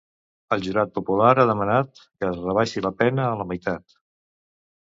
El jurat popular ha demanat que es rebaixi la pena a la meitat.